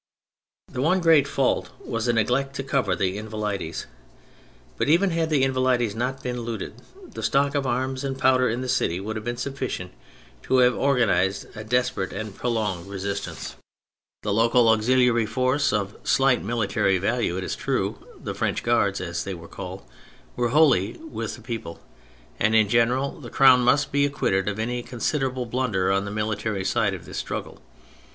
The one great fault was the neglect to cover the Invalides, but even had the Invalides not been looted, the stock of arms and powder in the city would have been sufficient to have organised a desperate and prolonged resistance. THE PHASES 97 The local auxiliary force (of slight mili tary value, it is true), the " French Guards," as they were called, were wholly with the people. And in general, the Crown must be acquitted of any considerable blunder on the military side of this struggle.